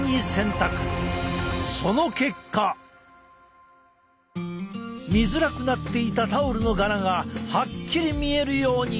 その結果！見づらくなっていたタオルの柄がはっきり見えるように。